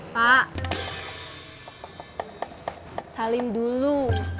pak salin dulu